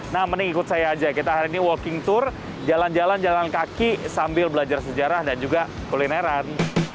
nah mending ikut saya aja kita hari ini walking tour jalan jalan jalan kaki sambil belajar sejarah dan juga kulineran